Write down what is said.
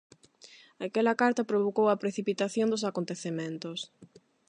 Aquela carta provocou a precipitación dos acontecementos.